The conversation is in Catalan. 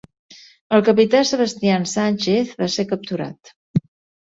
El capità Sebastian Sanchez va ser capturat.